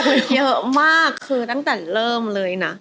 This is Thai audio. คือเยอะมากคือตั้งแต่เริ่มเลยนะ